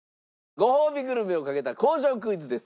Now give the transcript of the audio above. ごほうびグルメをかけた工場クイズです。